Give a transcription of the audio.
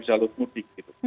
di jalur mudik gitu